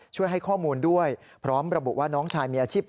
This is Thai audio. ช่วยให้ข้อมูลด้วยพร้อมระบุว่าน้องชายมีอาชีพ